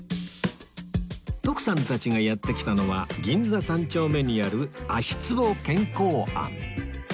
徳さんたちがやって来たのは銀座３丁目にある足壺健香庵